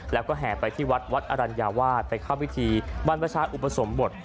แล้วก็แห่ไปที่วัดวัดอรัญญาวาสไปเข้าพิธีบรรพชาอุปสมบท